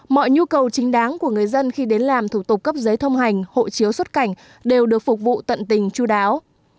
mọi nhu cầu chính đáng của người dân khi đến làm thủ tục cấp giấy thông hành hộ chiếu xuất cảnh đều được phục vụ tận tình chú đáo